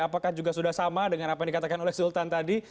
apakah juga sudah sama dengan apa yang dikatakan oleh sultan tadi